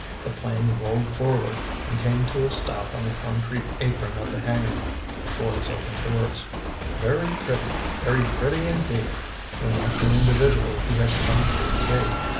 The plane rolled forward, and came to a stop on the concrete apron of the hangar, before its open doors. "Very pretty, very pretty indeed!" remarked the individual who had come through the gate.